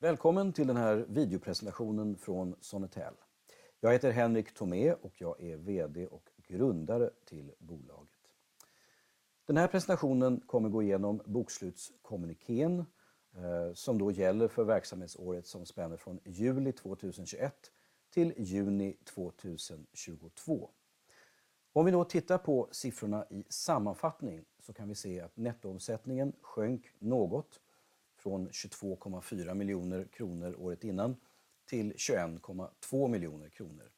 Välkommen till den här videopresentationen från Sonetel. Jag heter Henrik Thomé och jag är vd och grundare till bolaget. Den här presentationen kommer gå igenom bokslutskommunikén som då gäller för verksamhetsåret som spänner från juli 2021 till juni 2022. Om vi då tittar på siffrorna i sammanfattning så kan vi se att nettoomsättningen sjönk något från 22.4 miljoner kronor året innan till 21.2 miljoner kronor.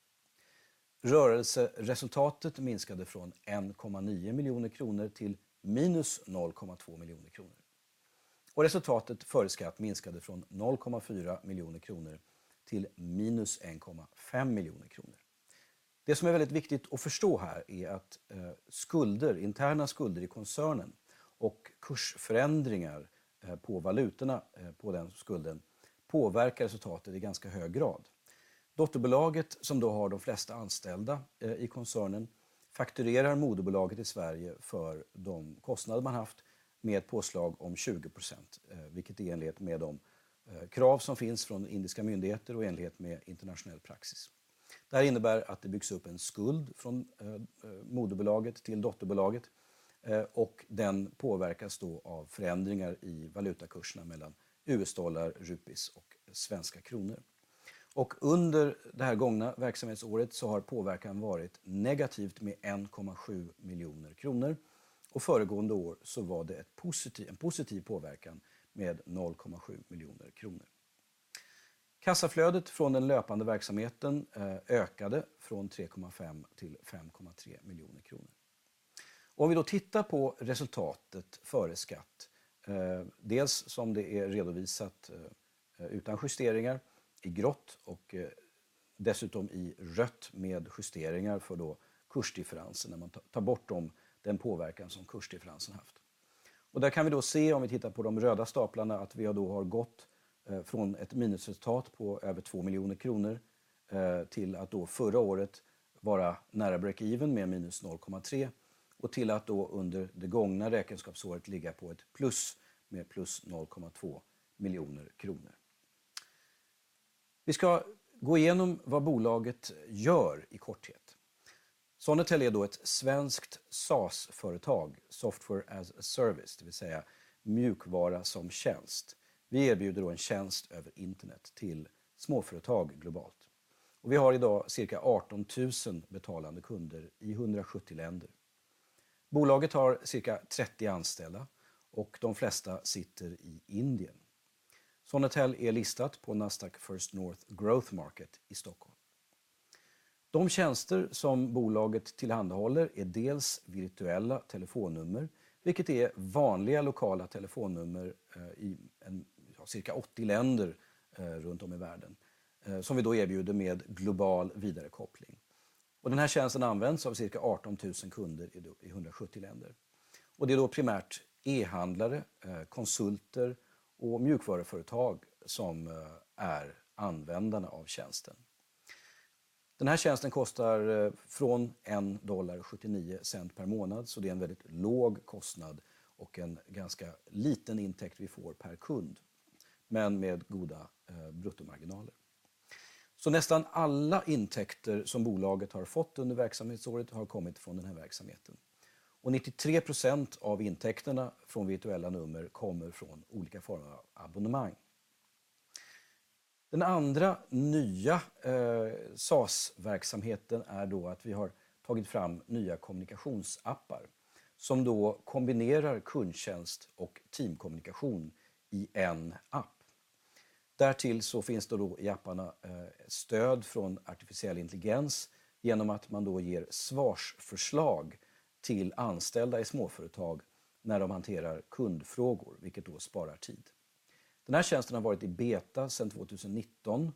Rörelseresultatet minskade från 1.9 miljoner kronor till minus 0.2 miljoner kronor. Resultatet före skatt minskade från 0.4 miljoner kronor till minus 1.5 miljoner kronor. Det som är väldigt viktigt att förstå här är att, skulder, interna skulder i koncernen och kursförändringar, på valutorna, på den skulden påverkar resultatet i ganska hög grad. Dotterbolaget som då har de flesta anställda i koncernen fakturerar moderbolaget i Sverige för de kostnader man haft med ett påslag om 20%, vilket är i enlighet med de krav som finns från indiska myndigheter och i enlighet med internationell praxis. Det här innebär att det byggs upp en skuld från moderbolaget till dotterbolaget och den påverkas då av förändringar i valutakurserna mellan US-dollar, rupees och svenska kronor. Under det här gångna verksamhetsåret så har påverkan varit negativt med SEK 1.7 miljoner och föregående år så var det en positiv påverkan med SEK 0.7 miljoner. Kassaflödet från den löpande verksamheten ökade från SEK 3.5 miljoner till SEK 5.3 miljoner. Om vi då tittar på resultatet före skatt, dels som det är redovisat, utan justeringar i grått och dessutom i rött med justeringar för då kursdifferensen när man tar bort den påverkan som kursdifferensen haft. Där kan vi då se om vi tittar på de röda staplarna att vi då har gått från ett minusresultat på over SEK 2 million till att då förra året vara nära break even med minus 0.3 och till att då under det gångna räkenskapsåret ligga på ett plus med plus 0.2 million SEK. Vi ska gå igenom vad bolaget gör i korthet. Sonetel är då ett svenskt SaaS-företag, software as a service, det vill säga mjukvara som tjänst. Vi erbjuder då en tjänst över internet till småföretag globalt. Vi har i dag cirka 18,000 betalande kunder i 170 länder. Bolaget har cirka 30 anställda och de flesta sitter i Indien. Sonetel är listat på Nasdaq First North Growth Market i Stockholm. De tjänster som bolaget tillhandahåller är dels virtuella telefonnummer, vilket är vanliga lokala telefonnummer i cirka 80 länder runt om i världen som vi då erbjuder med global vidarekoppling. Den här tjänsten används av cirka 18,000 kunder i 170 länder. Det är då primärt e-handlare, konsulter och mjukvaruföretag som är användarna av tjänsten. Den här tjänsten kostar från $1.79 per månad, så det är en väldigt låg kostnad och en ganska liten intäkt vi får per kund. Goda bruttomarginaler. Nästan alla intäkter som bolaget har fått under verksamhetsåret har kommit från den här verksamheten. 93% av intäkterna från virtuella nummer kommer från olika former av abonnemang. Den andra nya SaaS-verksamheten är då att vi har tagit fram nya kommunikationsappar som då kombinerar kundtjänst och teamkommunikation i en app. Därtill så finns det då i apparna stöd från artificiell intelligens genom att man då ger svarsförslag till anställda i småföretag när de hanterar kundfrågor, vilket då sparar tid. Den här tjänsten har varit i beta sedan 2019.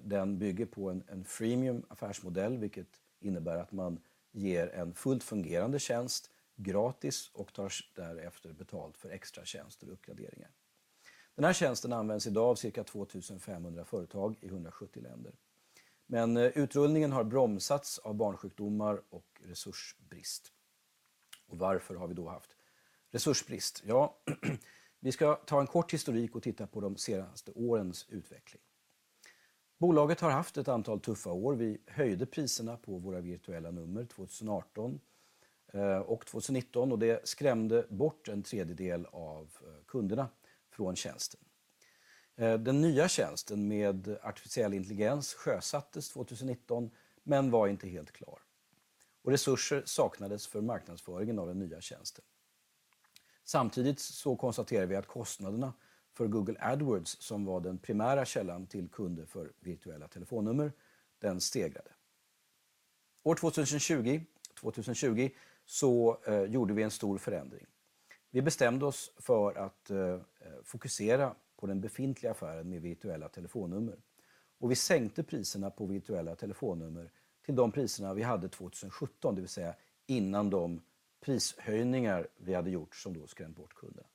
Den bygger på en freemium affärsmodell, vilket innebär att man ger en fullt fungerande tjänst gratis och tar sedan därefter betalt för extra tjänst och uppgraderingar. Den här tjänsten används i dag av cirka 2,500 företag i 170 länder. Men utrullningen har bromsats av barnsjukdomar och resursbrist. Varför har vi då haft resursbrist? Ja, vi ska ta en kort historik och titta på de senaste årens utveckling. Bolaget har haft ett antal tuffa år. Vi höjde priserna på våra virtuella nummer 2018, och 2019 och det skrämde bort en tredjedel av kunderna från tjänsten. Den nya tjänsten med artificiell intelligens sjösattes 2019 men var inte helt klar. Resurser saknades för marknadsföringen av den nya tjänsten. Samtidigt så konstaterar vi att kostnaderna för Google Ads, som var den primära källan till kunder för virtuella telefonnummer, de steg. År 2020 så gjorde vi en stor förändring. Vi bestämde oss för att fokusera på den befintliga affären med virtuella telefonnummer. Vi sänkte priserna på virtuella telefonnummer till de priserna vi hade 2017, det vill säga innan de prishöjningar vi hade gjort som då skrämt bort kunder.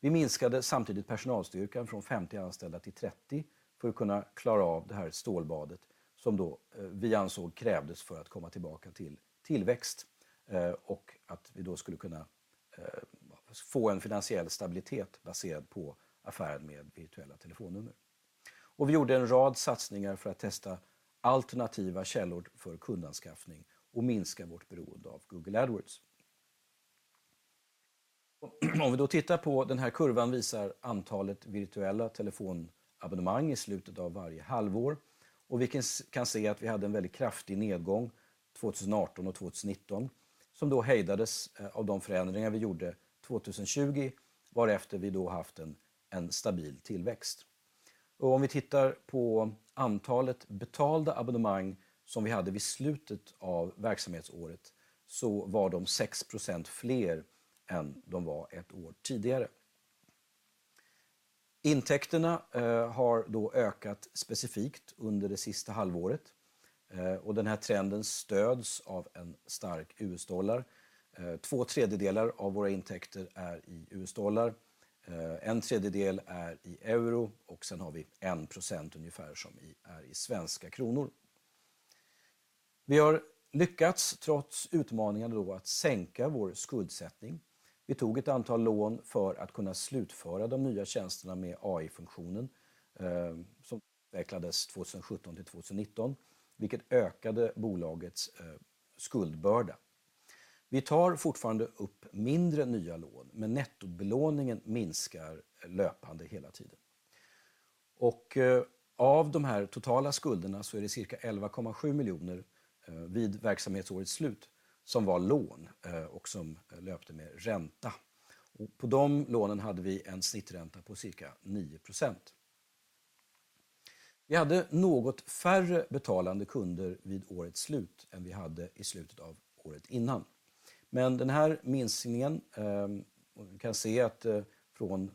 Vi minskade samtidigt personalstyrkan från 50 anställda till 30 för att kunna klara av det här stålbadet. Som då vi ansåg krävdes för att komma tillbaka till tillväxt och att vi då skulle kunna få en finansiell stabilitet baserad på affären med virtuella telefonnummer. Vi gjorde en rad satsningar för att testa alternativa källor för kundanskaffning och minska vårt beroende av Google Ads. Om vi då tittar på den här kurvan visar antalet virtuella telefonabonnemang i slutet av varje halvår. Vi kan se att vi hade en väldigt kraftig nedgång 2018 och 2019 som då hejdades av de förändringar vi gjorde 2020, varefter vi då haft en stabil tillväxt. Om vi tittar på antalet betalda abonnemang som vi hade vid slutet av verksamhetsåret så var de 6% fler än de var ett år tidigare. Intäkterna har då ökat specifikt under det sista halvåret. Den här trenden stöds av en stark US-dollar. Två tredjedelar av våra intäkter är i US-dollar. En tredjedel är i euro och sen har vi 1% ungefär som är i svenska kronor. Vi har lyckats trots utmaningarna då att sänka vår skuldsättning. Vi tog ett antal lån för att kunna slutföra de nya tjänsterna med AI-funktionen, som utvecklades 2017 till 2019, vilket ökade bolagets skuldbörda. Vi tar fortfarande upp mindre nya lån, men nettebelåningen minskar löpande hela tiden. Av de här totala skulderna så är det cirka SEK 11.7 miljoner vid verksamhetsårets slut som var lån, och som löpte med ränta. På de lånen hade vi en snittränta på cirka 9%. Vi hade något färre betalande kunder vid årets slut än vi hade i slutet av året innan. Den här minskningen, vi kan se att från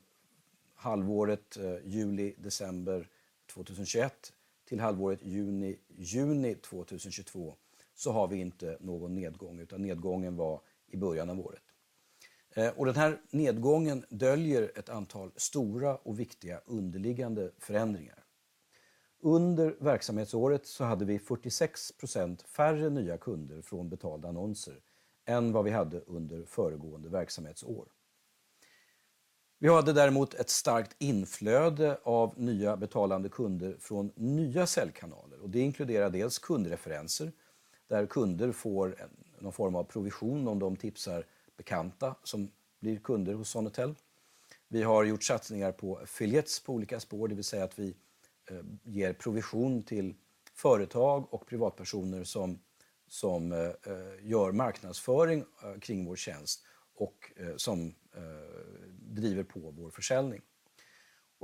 halvåret juli-december 2021 till halvåret januari-juni 2022, så har vi inte någon nedgång, utan nedgången var i början av året. Den här nedgången döljer ett antal stora och viktiga underliggande förändringar. Under verksamhetsåret så hade vi 46% färre nya kunder från betalda annonser än vad vi hade under föregående verksamhetsår. Vi hade däremot ett starkt inflöde av nya betalande kunder från nya säljkanaler och det inkluderar dels kundreferenser där kunder får någon form av provision om de tipsar bekanta som blir kunder hos Sonetel. Vi har gjort satsningar på affiliates på olika spår, det vill säga att vi ger provision till företag och privatpersoner som gör marknadsföring kring vår tjänst och som driver på vår försäljning.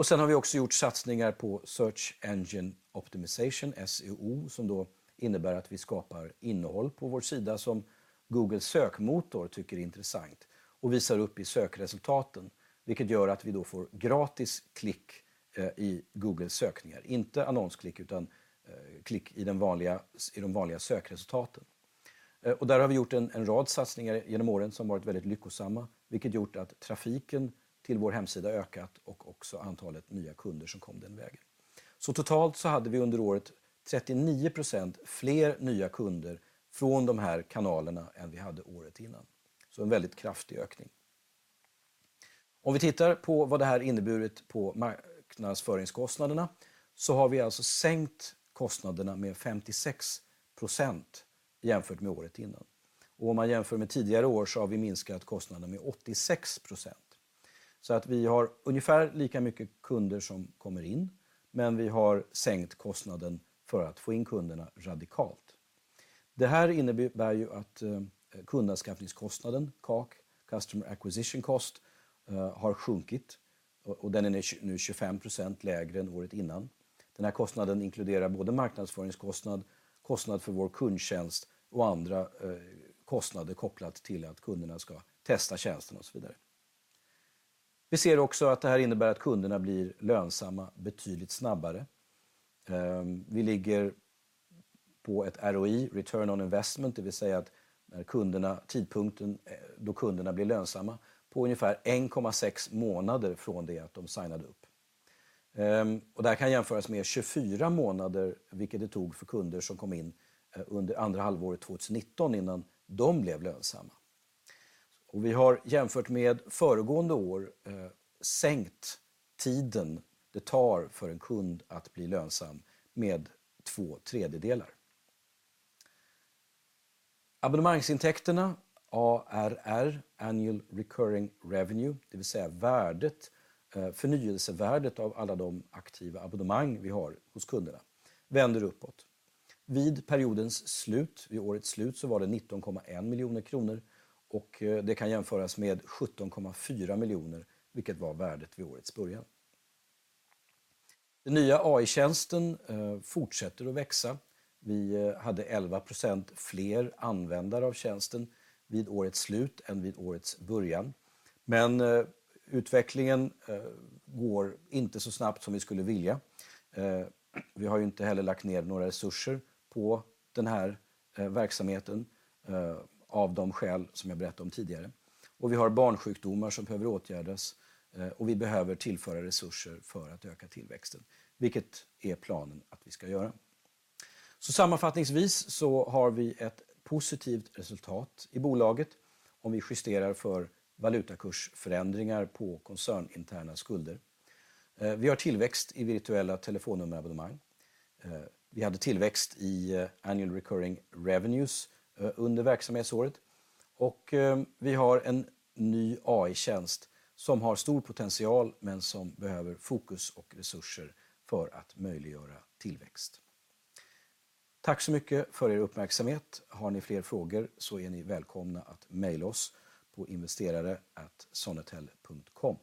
Sen har vi också gjort satsningar på search engine optimization, SEO, som då innebär att vi skapar innehåll på vår sida som Google sökmotor tycker är intressant och visar upp i sökresultaten, vilket gör att vi då får gratis klick i Google sökningar, inte annonsklick, utan klick i den vanliga, i de vanliga sökresultaten. Där har vi gjort en rad satsningar genom åren som varit väldigt lyckosamma, vilket gjort att trafiken till vår hemsida ökat och också antalet nya kunder som kom den vägen. Totalt så hade vi under året 39% fler nya kunder från de här kanalerna än vi hade året innan. En väldigt kraftig ökning. Om vi tittar på vad det här inneburit på marknadsföringskostnaderna så har vi alltså sänkt kostnaderna med 56% jämfört med året innan. Om man jämför med tidigare år så har vi minskat kostnaderna med 86%. att vi har ungefär lika mycket kunder som kommer in, men vi har sänkt kostnaden för att få in kunderna radikalt. Det här innebär ju att kundanskaffningskostnaden, CAC, customer acquisition cost, har sjunkit och den är nu 25% lägre än året innan. Den här kostnaden inkluderar både marknadsföringskostnad, kostnad för vår kundtjänst och andra kostnader kopplat till att kunderna ska testa tjänsten och så vidare. Vi ser också att det här innebär att kunderna blir lönsamma betydligt snabbare. Vi ligger på ett ROI, return on investment, det vill säga att när kunderna, tidpunkten då kunderna blir lönsamma på ungefär 1.6 månader från det att de signade upp. Det här kan jämföras med 24 månader, vilket det tog för kunder som kom in under andra halvåret 2019 innan de blev lönsamma. Vi har jämfört med föregående år sänkt tiden det tar för en kund att bli lönsam med två tredjedelar. Abonnemangsintäkterna ARR, annual recurring revenue, det vill säga värdet, förnyelsevärdet av alla de aktiva abonnemang vi har hos kunderna, vänder uppåt. Vid periodens slut, vid årets slut så var det SEK 19.1 million och det kan jämföras med SEK 17.4 million, vilket var värdet vid årets början. Den nya AI-tjänsten fortsätter att växa. Vi hade 11% fler användare av tjänsten vid årets slut än vid årets början. Utvecklingen går inte så snabbt som vi skulle vilja. Vi har ju inte heller lagt ner några resurser på den här verksamheten av de skäl som jag berättade om tidigare. Vi har barnsjukdomar som behöver åtgärdas och vi behöver tillföra resurser för att öka tillväxten, vilket är planen att vi ska göra. Sammanfattningsvis har vi ett positivt resultat i bolaget om vi justerar för valutakursförändringar på koncerninterna skulder. Vi har tillväxt i virtuella telefonnummerabonnemang. Vi hade tillväxt i annual recurring revenues under verksamhetsåret och vi har en ny AI-tjänst som har stor potential men som behöver fokus och resurser för att möjliggöra tillväxt. Tack så mycket för er uppmärksamhet. Har ni fler frågor så är ni välkomna att mejla oss på investerare@Sonetel.com.